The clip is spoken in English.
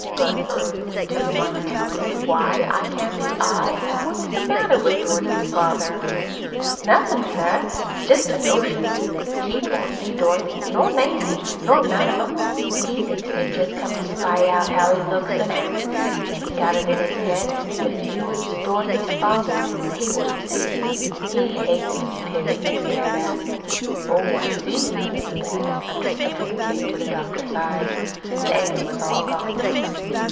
"But er do you mind telling me why I can't be I? What's the matter with Dorothy's father?" "Nothin' sir. It's jest a notion. Keith won't see Dorothy, nor Mazie, nor none of 'em. He thinks they come jest to spy out how he looks an' acts; an' he got it into his head that if you was Dorothy's father, he wouldn't see you. He hates to be pitied an' stared at." "Oh, I see." A sympathetic understanding came into the doctor's eyes. The anger was all gone now.